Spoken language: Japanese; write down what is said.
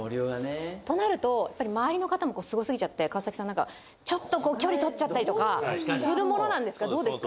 となると、やっぱり周りの方もすごすぎちゃって、ちょっと距離とっちゃったりするものなんですか？